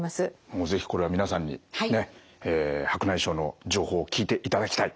もう是非これは皆さんにねっ白内障の情報聞いていただきたい！